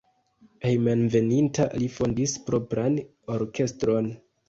Hejmenveninta li fondis propran orkestron.